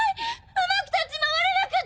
うまく立ち回れなくって。